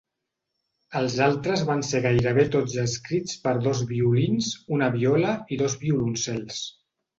Els altres van ser gairebé tots escrits per dos violins, una viola i dos violoncels.